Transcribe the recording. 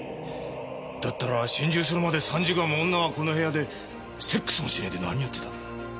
だったら心中するまで３時間も女はこの部屋でセックスもしねえで何やってたんだ？